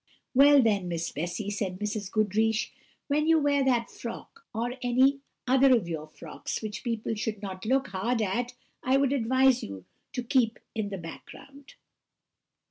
"Well, then, Miss Bessy," said Mrs. Goodriche, "when you wear that frock, or any other of your frocks which people should not look hard at, I would advise you to keep in the background."